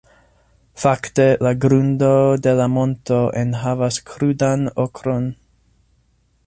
Fakte, la grundo de la monto enhavas krudan okron.